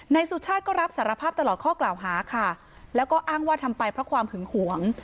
สุชาติก็รับสารภาพตลอดข้อกล่าวหาค่ะแล้วก็อ้างว่าทำไปเพราะความหึงหวง